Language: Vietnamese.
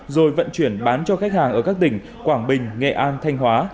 rồi vận chuyển bán cho khách hàng ở các tỉnh quảng bình nghệ an thanh hóa